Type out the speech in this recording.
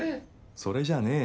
それじゃねえよ。